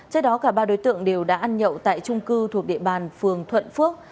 trước đó cả ba đối tượng đều đã ăn nhậu tại trung cư thuộc địa bàn phường thuận phước